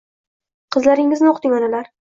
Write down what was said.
Qizlaringizni o‘qiting, onalar!